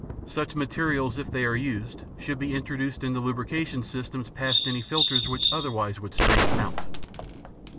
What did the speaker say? Such materials, if they are used, should be introduced into lubrication systems past any filters which otherwise would strain them out.